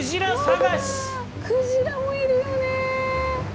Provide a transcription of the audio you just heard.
クジラもいるよね。